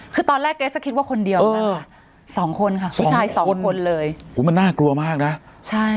คือตอนแรกเกรสก็คิดว่าคนเดียวนะคะสองคนค่ะผู้ชายสองคนเลยโอ้มันน่ากลัวมากนะใช่